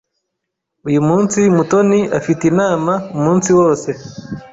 Uyu munsi, Mutoni afite inama umunsi wose.